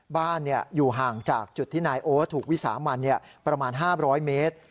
บ้านอยู่ห่างจากจุดที่นายโอ๊ตถูกวิสามันประมาณ๕๐๐เมตร